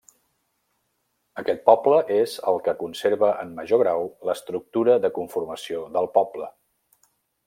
Aquest poble és el que conserva en major grau l'estructura de conformació del poble.